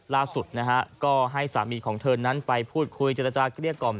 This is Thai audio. ล่าสุดนะฮะก็ให้สามีของเธอนั้นไปพูดคุยเจรจาเกลี้ยกล่อม